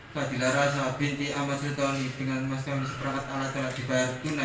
saya binti ahmad zidoni dengan masyarakat alat alat dibayar tunai